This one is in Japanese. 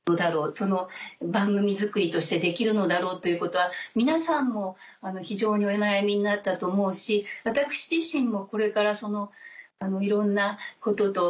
その番組作りとしてできるのだろうということは皆さんも非常にお悩みになったと思うし私自身もこれからいろんなことと。